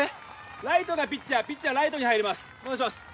ライトがピッチャーピッチャーライトに入りますお願いします